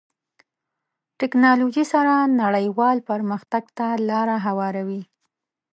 ټکنالوژي سره نړیوال پرمختګ ته لاره هواروي.